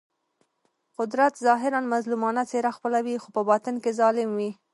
قدرت ظاهراً مظلومانه څېره خپلوي خو په باطن کې ظالم وي.